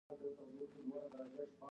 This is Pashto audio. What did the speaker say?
تازه شیان او خواږه